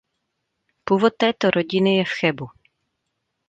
Původ této rodiny je v Chebu.